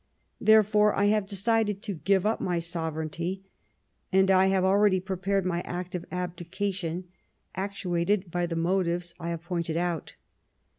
Therefore I have decided to give up my sovereignty, and I have already prepared my Act of Abdication, actuated by the motives I have pointed out."